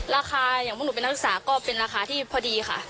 อย่างพวกหนูเป็นนักศึกษาก็เป็นราคาที่พอดีค่ะ